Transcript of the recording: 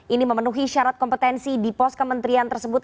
ini memenuhi syarat kompetensi di pos kementerian tersebut